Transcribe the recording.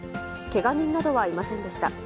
けが人などはいませんでした。